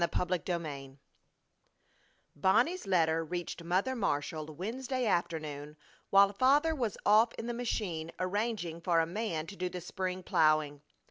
CHAPTER XXIII Bonnie's letter reached Mother Marshall Wednesday afternoon while Father was off in the machine arranging for a man to do the spring plowing.